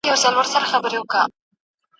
ایا څېړنه د دقیقو معلوماتو اړتیا لري؟